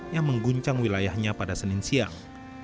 yang mengguncang wilayahnya pada senin siang